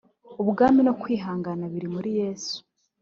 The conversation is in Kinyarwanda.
ubwami no kwihangana biri muri yesu